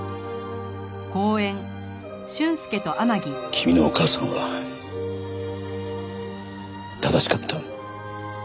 君のお母さんは正しかった。